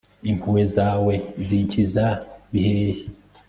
impuhwe zawe ninkiza bihehe